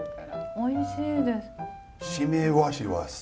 おいしいです。